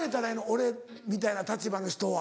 俺みたいな立場の人は。